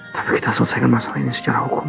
tapi kita selesaikan masalah ini secara hukum